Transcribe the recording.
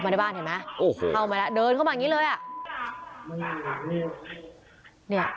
เดินเข้ามาอย่างงี้เลยอ่ะ